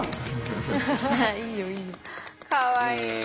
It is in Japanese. かわいい。